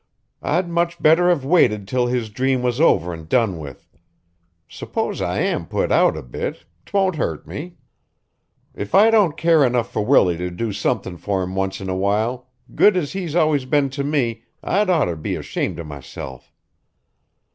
"I'd much better have waited 'til his dream was over an' done with. S'pose I am put out a bit 'twon't hurt me. If I don't care enough for Willie to do somethin' for him once in a while, good as he's always been to me, I'd oughter be ashamed of myself."